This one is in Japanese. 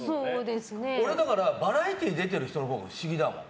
俺はバラエティー出てる人のほうが不思議だもん。